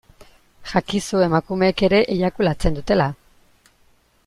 Jakizu emakumeek ere eiakulatzen dutela.